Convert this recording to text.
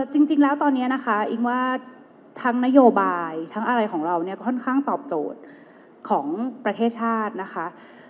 จริงแล้วตอนนี้นะคะอิงว่าทั้งนโยบายทั้งอะไรของเราเนี่ยค่อนข้างตอบโจทย์ของประเทศชาตินะคะ